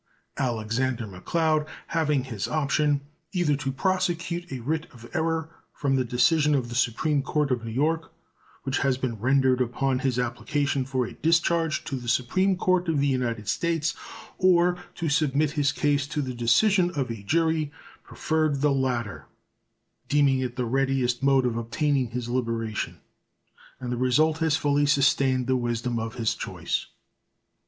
Alexander McLeod, having his option either to prosecute a writ of error from the decision of the supreme court of New York, which had been rendered upon his application for a discharge, to the Supreme Court of the United States, or to submit his case to the decision of a jury, preferred the latter, deeming it the readiest mode of obtaining his liberation; and the result has fully sustained the wisdom of his choice.